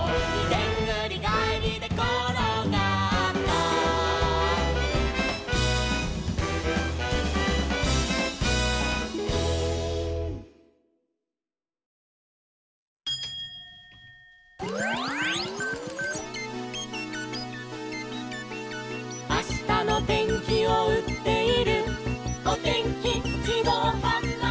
「でんぐりがえりでころがった」「あしたのてんきをうっているおてんきじどうはんばいき」